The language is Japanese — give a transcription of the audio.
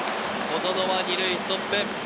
小園は２塁ストップ。